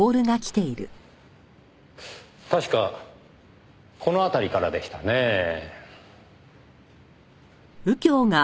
確かこの辺りからでしたねぇ。